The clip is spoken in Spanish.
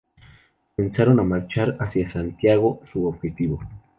Comenzaron a marchar hacia Santiago, su objetivo.